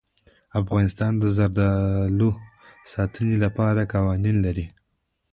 افغانستان د زردالو د ساتنې لپاره قوانین لري.